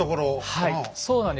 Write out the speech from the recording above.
はいそうなんです。